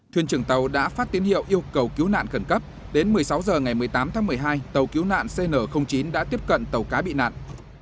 thuyền trưởng tàu đã phát tín hiệu yêu cầu cứu nạn khẩn cấp đến một mươi sáu h ngày một mươi tám tháng một mươi hai tàu cứu nạn cn chín đã tiếp cận tàu cá bị nạn